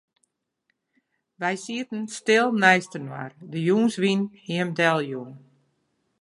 Wy sieten stil neistinoar, de jûnswyn hie him deljûn.